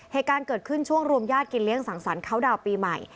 เหตุการณ์เกิดขึ้นช่วงรวมญาติกินเลี้ยสั่งสรรค์ดาวน์ปีใหม่